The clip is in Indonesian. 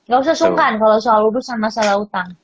gausah sungkan kalo soal urusan masalah utang